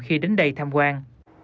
khi đến đây tham quan